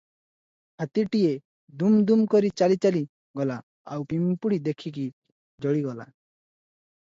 ହାତୀଟିଏ ଦୁମ ଦୁମ କରି ଚାଲି ଚାଲି ଗଲା ଆଉ ପିମ୍ପୂଡ଼ି ଦେଖିକି ଜଳିଗଲା